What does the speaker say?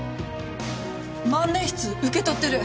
万年筆受け取ってる！